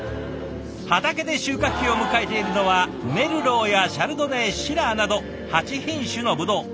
畑で収穫期を迎えているのはメルローやシャルドネシラーなど８品種のブドウ。